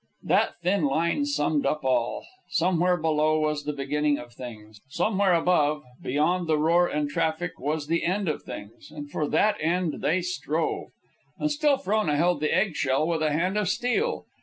That thin line summed up all. Somewhere below was the beginning of things; somewhere above, beyond the roar and traffic, was the end of things; and for that end they strove. And still Frona held the egg shell with a hand of steel.